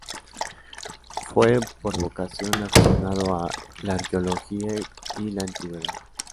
Fue, por vocación, aficionado a la arqueología y la antigüedad.